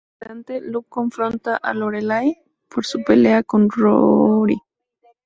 Más adelante, Luke confronta a Lorelai por su pelea con Rory.